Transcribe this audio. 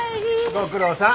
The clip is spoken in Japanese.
ご苦労さん。